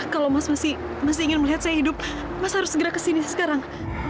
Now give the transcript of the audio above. kalau mas masih ingin melihat saya hidup mas harus segera kesini sekarang